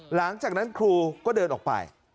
หลังจากนั้นครูก็เดินออกไป